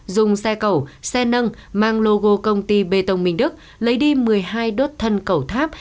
dùng xe cầu xe nâng mang logo công ty bê tông minh đức lấy đi một mươi hai đốt thân cầu tháp